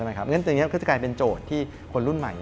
อย่างนี้ก็จะกลายเป็นโจทย์ที่คนรุ่นใหม่